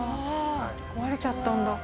壊れちゃったんだ。